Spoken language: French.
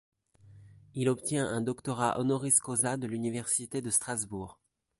Il obtient un doctorat honoris causa de l'université de Strasbourg.